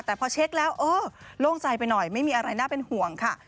แต่พอเช็คแล้วเออโล่งใจไปหน่อยไม่มีอะไรน่าเป็นห่วงค่ะ